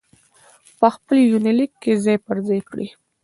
په خپل يونليک کې ځاى په ځاى کړي